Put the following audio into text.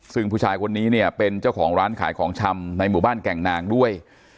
ซึ่งผู้ชายคนนี้เนี่ยเป็นเจ้าของร้านขายของชำในหมู่บ้านแก่งนางด้วย